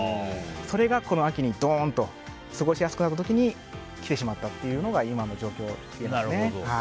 それがこの秋にどーんと過ごしやすくなった時にきてしまったというのが今の状況ですね。